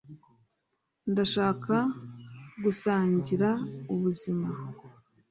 ndashaka gusangira ubu buzima